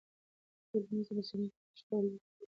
په ټولنيزو رسنيو کې پښتو ليکل کيږي.